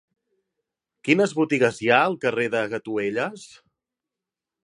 Quines botigues hi ha al carrer de Gatuelles?